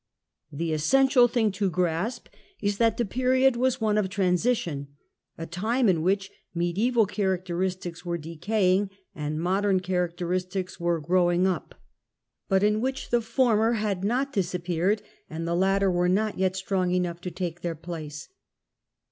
* y / The essential thing to grasp is that the period / was one of transition— a time in which medic^val characteristics were decaying and modern char y acteristics were growing up ; but in which the "^tilH^'' /v> vi THE END OF THE MIDDLE AGE former had not disappeared and the latter were not yet strong enough to take their place.